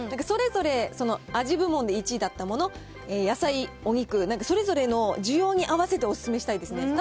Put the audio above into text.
それぞれ味部門で１位だったもの、野菜、お肉、なんかそれぞれの需要に合わせてお勧めしたいですね。